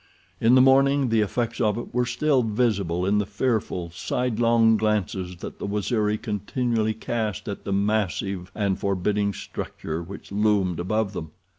In the morning the effects of it were still visible in the fearful, sidelong glances that the Waziri continually cast at the massive and forbidding structure which loomed above them.